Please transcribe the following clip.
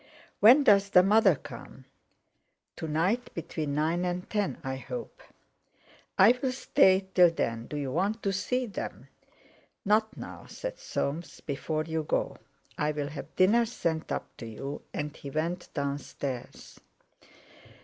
When does the mother come?" "To night, between nine and ten, I hope." "I'll stay till then. Do you want to see them?" "Not now," said Soames; "before you go. I'll have dinner sent up to you." And he went downstairs.